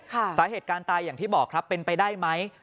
สาเหตุการณ์ตายอย่างที่บอกครับเป็นไปได้ไหม